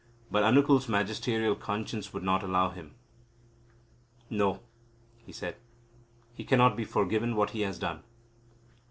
But Anukul's magisterial conscience would not allow him. "No," he said, "he cannot be forgiven for what he has done."